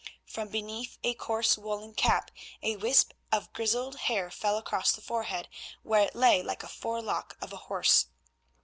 From beneath a coarse woollen cap a wisp of grizzled hair fell across the forehead, where it lay like the forelock of a horse.